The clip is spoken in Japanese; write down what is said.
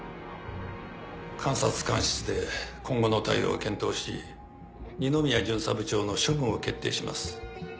監察官室で今後の対応を検討し二宮巡査部長の処分を決定します。